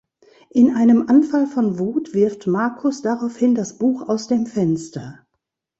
In einem Anfall von Wut wirft Marcus daraufhin das Buch aus dem Fenster.